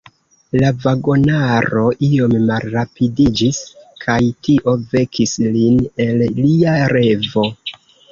La vagonaro iom malrapidiĝis, kaj tio vekis lin el lia revo.